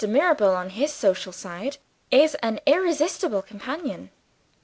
Mirabel, on his social side, is an irresistible companion.